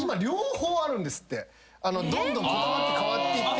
どんどん言葉って変わっていってて。